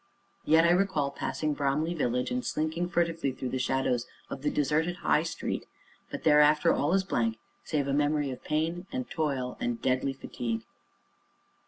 Yet I recall passing Bromley village, and slinking furtively through the shadows of the deserted High Street, but thereafter all is blank save a memory of pain and toil and deadly fatigue.